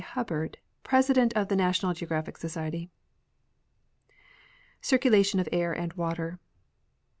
HUBBARD PRESIDENT OF THE NATIONAL GEOGRAPHIC SOCIETY Circulation of Air and Water.